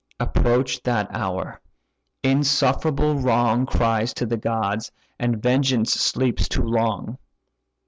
Approach that hour! insufferable wrong Cries to the gods, and vengeance sleeps too long.